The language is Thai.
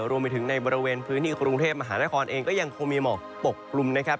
รวมไปถึงในบริเวณพื้นที่กรุงเทพมหานครเองก็ยังคงมีหมอกปกกลุ่มนะครับ